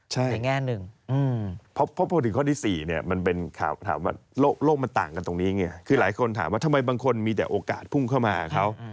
ใช่เพราะพอถึงข้อที่๔เนี่ยมันเป็นถามว่าโลกมันต่างกันตรงนี้เนี่ยคือหลายคนถามว่าทำไมบางคนมีแต่โอกาสพุ่งเข้ามาครับ